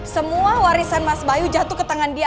semua warisan mas bayu jatuh ke tangan dia